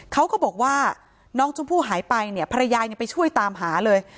เขาก็บอกว่าน้องชมพู่หายไปเนี่ยภรรยายังไปช่วยตามหาเลย